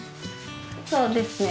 そうですね。